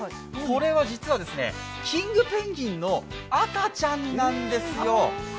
これは実はキングペンギンの赤ちゃんなんですよ。